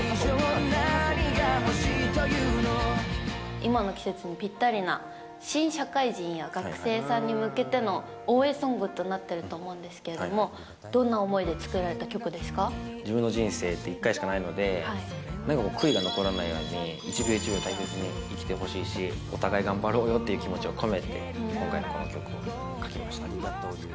今の季節にぴったりな新社会人や学生さんに向けての応援ソングとなってると思うんですけれども、自分の人生って１回しかないので、なんか悔いが残らないように、一秒一秒大切に生きてほしいし、お互い頑張ろうよっていう気持ちを込めて、今回のこの曲を書きました。